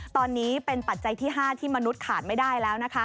ตอนนี้เป็นปัจจัยที่๕ที่มนุษย์ขาดไม่ได้แล้ว